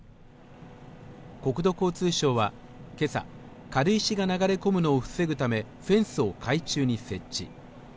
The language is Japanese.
国土交通省は今朝、軽石が流れ込むのを防ぐためフェンスを海中に設置。